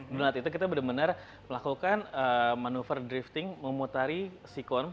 menunate itu kita benar benar melakukan manuver drifting memutari sikon